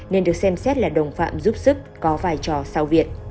nên được xem xét là đồng phạm giúp sức có vai trò sao việt